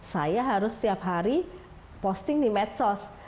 saya harus setiap hari posting di medsos